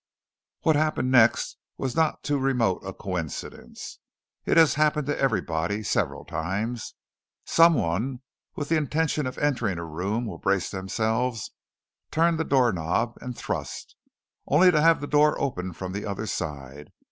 What happened next was not too remote a coincidence. It has happened to everybody, several times. Someone with the intention of entering a room will brace themselves, turn the doorknob, and thrust, only to have the door opened from the other side.